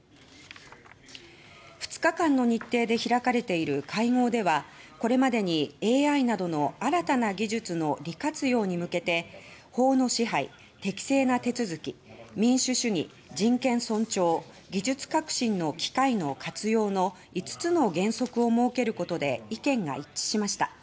２日間の日程で開かれている会合ではこれまでにＡＩなどの新たな技術の利活用に向けて法の支配、適正な手続き民主主義、人権尊重技術革新の機会の活用の５つの原則を設けることで意見が一致しました。